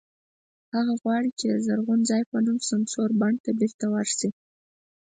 هغه غواړي چې د "زرغون ځای" په نوم سمسور بڼ ته بېرته ورشي.